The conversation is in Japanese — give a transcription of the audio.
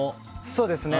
そうですね。